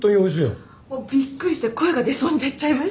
もうびっくりして声が出そうになっちゃいました。